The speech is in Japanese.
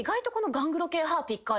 「ガングロ系歯ピッカー」！？